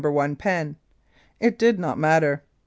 i pen. It did not matter.